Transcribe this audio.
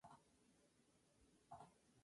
Maria Spezia nació en Villafranca di Verona.